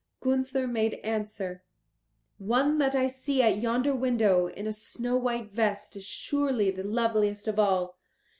Gunther made answer, "One that I see at yonder window in a snow white vest is surely the loveliest of all.